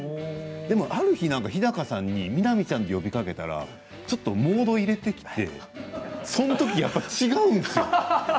でもある日日高さんに南ちゃんと呼びかけたらモードを入れてきてそのときやっぱり違うんですよ。